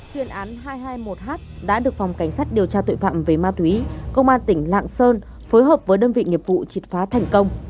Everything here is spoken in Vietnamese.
h một h đã được phòng cảnh sát điều tra tội phạm về ma túy công an tỉnh lạng sơn phối hợp với đơn vị nghiệp vụ trịt phá thành công